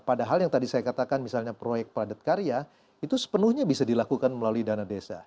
padahal yang tadi saya katakan misalnya proyek padat karya itu sepenuhnya bisa dilakukan melalui dana desa